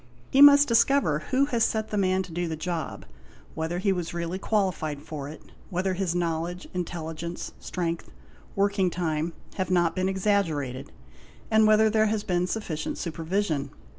He must discover who has set the man to the job, whether he was really qualified for it, whether his knowledge, intelligence, strength, working time, have not been exaggerated, and whether there has been sufficient — supervision.